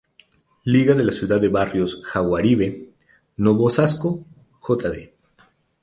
Liga de la Ciudad de barrios Jaguaribe, Novo Osasco, Jd.